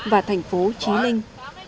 và thành phố trí linh